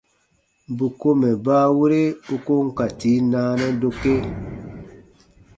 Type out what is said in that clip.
Bù ko mɛ̀ baawere u ko n ka tii naanɛ dokee.